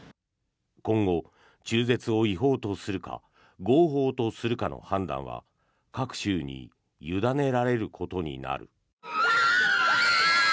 今後、中絶を違法とするか合法とするかの判断は各州に委ねられることになる。